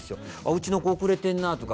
うちの子遅れてんなとか